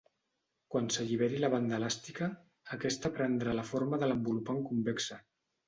Quan s'alliberi la banda elàstica, aquesta prendrà la forma de l'envolupant convexa.